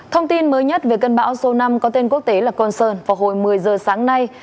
thông tin mới nhất về cơn bão số năm có tên quốc tế là con sơn vào hồi một mươi giờ sáng nay